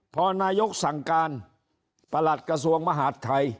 พอนายกสั่งการประหลัดกระทรวงมหาดไทย